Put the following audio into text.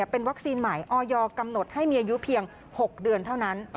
เป็นวัคซีนใหม่ออยกำหนดให้มีอายุเพียง๖เดือนเท่านั้น